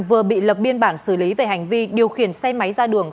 vừa bị lập biên bản xử lý về hành vi điều khiển xe máy ra đường